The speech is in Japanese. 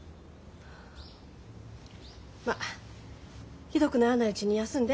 まっひどくならないうちに休んで。